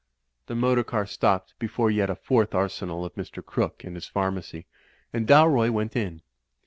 The motor car stopped before yet a fourth arsenal of Mr. Crooke and his pharmacy, and Dalroy went in.